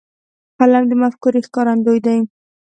قلم د مفکورې ښکارندوی دی.